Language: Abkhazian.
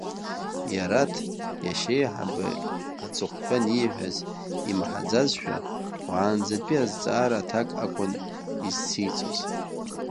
Иараҭ, иашьеиҳабы аҵыхәтан ииҳәаз имаҳаӡазшәа, уаанӡатәи азҵаара аҭак акәын изциҵоз.